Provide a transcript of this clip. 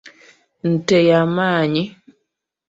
Nte yamannyi.